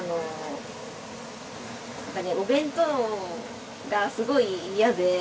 お弁当がすごい嫌で。